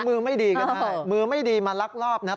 มือไม่ดีก็ได้มือไม่ดีมาลักลอบนะครับ